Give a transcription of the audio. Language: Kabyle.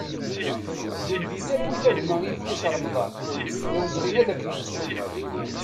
Gen di talwit a gma Ifis Remḍan, d awezɣi ad k-nettu!